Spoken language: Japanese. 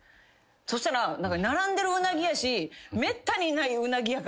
そしたら並んでるうなぎやしめったにいないうなぎやから。